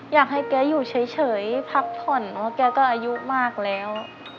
อยากให้แกอยู่เฉยพักผ่อนเพราะแกก็อายุมากแล้ว